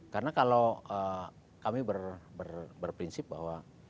karena kalau kami berprinsip bahwa